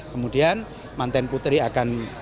kemudian mantan putri akan